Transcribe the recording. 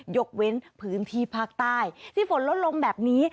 ยกเว้นพื้นที่ภาคใต้ที่ฝนลดลงแบบนี้